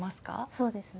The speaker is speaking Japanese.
そうですね。